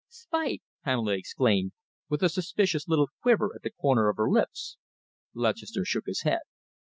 "Spite!" Pamela exclaimed, with a suspicious little quiver at the corner of her lips. Lutchester shook his head.